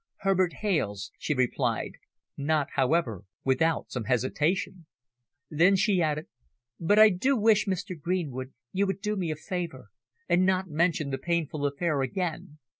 "Herbert Hales," she replied, not, however, without some hesitation. Then she added, "But I do wish Mr. Greenwood, you would do me a favour and not mention the painful affair again.